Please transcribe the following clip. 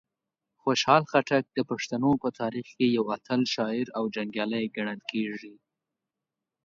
خوشحال خټک د پښتنو په تاریخ کې یو اتل شاعر او جنګیالی ګڼل کیږي.